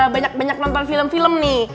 banyak banyak nonton film film nih